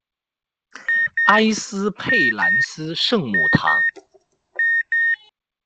埃斯佩兰斯圣母堂。